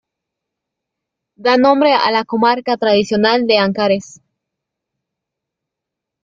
Da nombre a la comarca tradicional de Ancares.